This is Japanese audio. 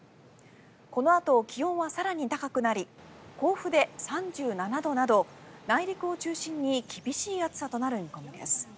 このあと、気温は更に高くなり甲府で３７度など内陸を中心に厳しい暑さとなる見込みです。